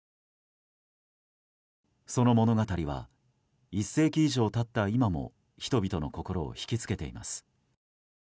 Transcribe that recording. その物語は１世紀以上経った今も人々の心を引き付けています。